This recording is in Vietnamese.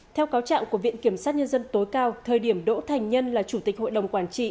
theo cáo trạng của viện kiểm sát nhân dân tối cao thời điểm đỗ thành nhân là chủ tịch hội đồng quản trị